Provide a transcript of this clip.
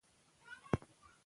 اداري محاکم د خپلواکۍ اصل لري.